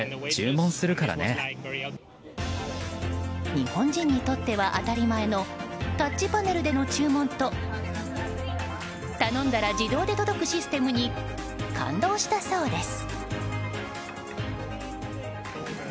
日本人にとっては当たり前のタッチパネルでの注文と頼んだら自動で届くシステムに感動したそうです。